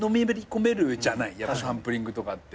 サンプリングとかって。